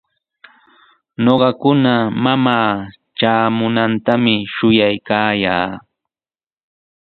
Ñuqakuna mamaa traamunantami shuyaykaayaa.